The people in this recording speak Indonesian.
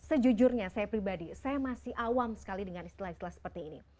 sejujurnya saya pribadi saya masih awam sekali dengan istilah istilah seperti ini